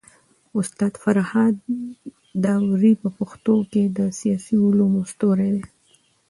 استاد فرهاد داوري په پښتو کي د سياسي علومو ستوری دی.